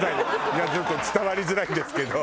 いやちょっと伝わりづらいんですけど。